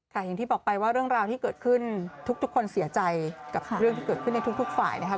อย่างที่บอกไปว่าเรื่องราวที่เกิดขึ้นทุกคนเสียใจกับเรื่องที่เกิดขึ้นในทุกฝ่ายนะครับ